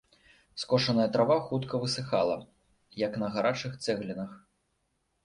Скошаная трава хутка высыхала, як на гарачых цэглінах.